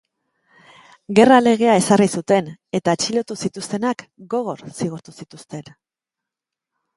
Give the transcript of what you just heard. Gerra legea ezarri zuten eta atxilotu zituztenak gogor zigortu zituzten.